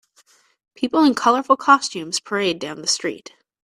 People in colorful costumes parade down the street.